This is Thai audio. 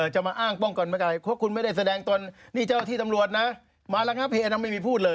จบแล้วนอนแล้วครับผม